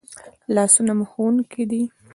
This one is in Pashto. لاسونه مو ښوونکي دي